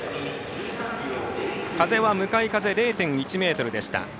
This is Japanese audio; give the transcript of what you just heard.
風は向かい風０．１メートルでした。